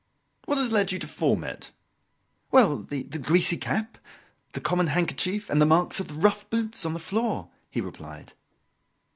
"What has led you to form it?" "Well, the greasy cap, the common handkerchief, and the marks of the rough boots on the floor," he replied.